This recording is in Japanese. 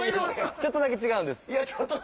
ちょっとだけ違うんです。